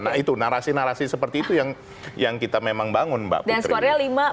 nah itu narasi narasi seperti itu yang kita memang bangun mbak putri